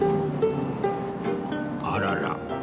あらら